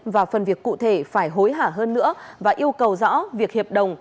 và phần việc cụ thể phải hối hả hơn nữa và yêu cầu rõ việc hiệp đồng